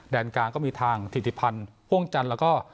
นกลางก็มีทางถิติพันธ์พ่วงจันทร์แล้วก็